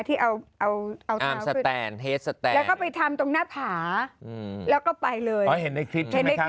ที่เอาเอาแล้วก็ไปทำตรงหน้าผาแล้วก็ไปเลยอ๋อเห็นในคลิปใช่ไหมคะ